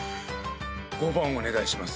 ５番お願いします。